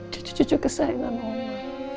cucu cucu kesayangan oma